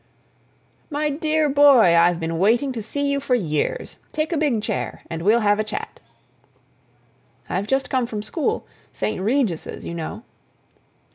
"My dear boy, I've been waiting to see you for years. Take a big chair and we'll have a chat." "I've just come from school—St. Regis's, you know."